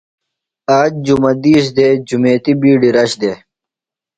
آج جمہ دِیس دےۡ۔ جمیتی بِیڈیۡ رش دےۡ۔